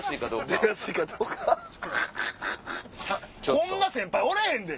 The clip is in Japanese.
こんな先輩おらへんで！